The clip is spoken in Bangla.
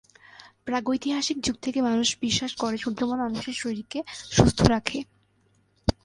প্রাগৈতিহাসিক যুগ থেকে মানুষ বিশ্বাস করে, সূর্যমান মানুষের শরীরকে সুস্থ্য রাখে।